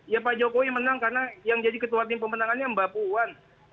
ya pak jokowi menang karena yang jadi ketua tim pemenangannya mbak puan